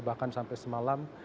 bahkan sampai semalam